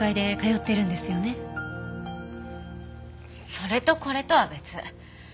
それとこれとは別。